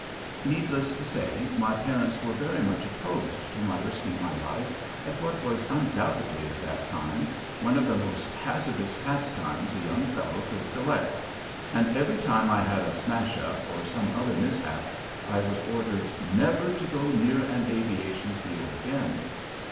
Needless to say, my parents were very much opposed to my risking my life at what was undoubtedly at that time one of the most hazardous "pastimes" a young fellow could select, and every time I had a smash up or some other mishap I was ordered never to go near an aviation field again.